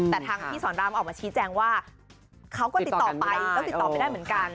แต่ทางพี่สอนรามออกมาชี้แจงว่าเขาก็ติดต่อไปก็ติดต่อไม่ได้เหมือนกัน